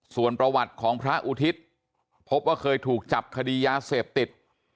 ส่วนประวัติของพระอุทิศพบว่าเคยถูกจับคดียาเสพติด